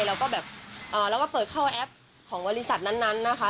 แล้วก็แบบเราก็เปิดเข้าแอปของบริษัทนั้นนะคะ